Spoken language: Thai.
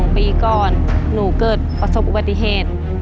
ปีก่อนหนูเกิดประสบอุบัติเหตุ